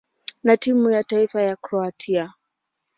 na timu ya taifa ya Kroatia.